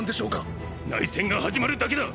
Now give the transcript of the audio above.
⁉内戦が始まるだけだ！！